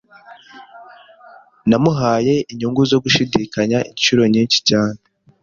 Namuhaye inyungu zo gushidikanya inshuro nyinshi cyane.